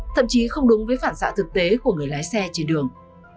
thậm chí không đúng với phản xạ thực tế của người lái xe trên đường